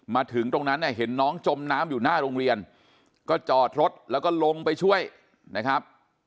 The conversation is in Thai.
มาถึงตรงนั้นเนี่ยเห็นน้องจมน้ำอยู่หน้าโรงเรียนก็จอดรถแล้วก็ลงไปช่วยนะครับ